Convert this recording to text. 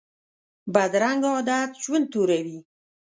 بدرنګه عادت ژوند توروي